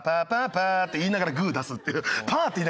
「パー」って言いながらグー出す。